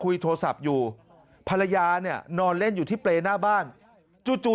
คุยโทรศัพท์อยู่ภรรยาเนี่ยนอนเล่นอยู่ที่เปรย์หน้าบ้านจู่